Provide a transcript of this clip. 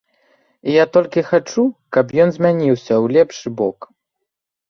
І я толькі хачу, каб ён змяніўся ў лепшы бок.